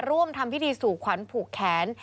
ร่วมทำพิธีสู่ขวัญผูกแขน